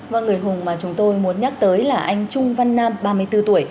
và người hùng mà chúng tôi muốn nhắc tới là anh trung văn nam ba mươi bốn tuổi